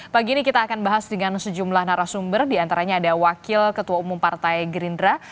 pagi ini kita akan bahas dengan sejumlah narasumber diantaranya ada wakil ketua umum partai gerindra